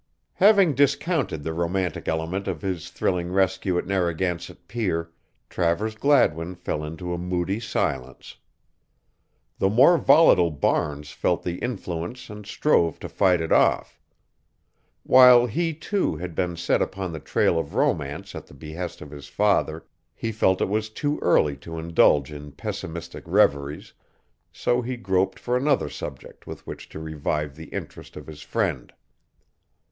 Having discounted the romantic element of his thrilling rescue at Narragansett Pier, Travers Gladwin fell into a moody silence. The more volatile Barnes felt the influence and strove to fight it off. While he, too, had been set upon the trail of romance at the behest of his father, he felt it was too early to indulge in pessimistic reveries, so he groped for another subject with which to revive the interest of his friend.